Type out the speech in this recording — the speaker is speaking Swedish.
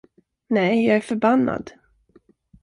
Nej, jag är förbannad.